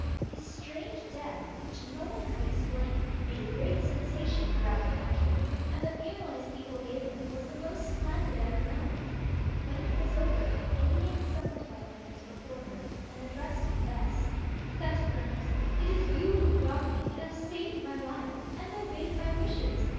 His strange death, which no one could explain, made a great sensation throughout the country, and the funeral his people gave him was the most splendid ever known. When it was over, Iliane summoned Fet Fruners before her, and addressed him thus: 'Fet Fruners! it is you who brought me and have saved my life, and obeyed my wishes.